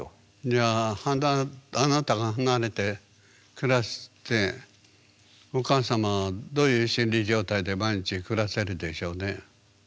じゃああなたが離れて暮らしてお母様はどういう心理状態で毎日暮らせるでしょうね？